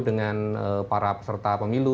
dengan para peserta pemilu